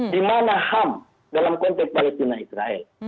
di mana ham dalam konteks palestina israel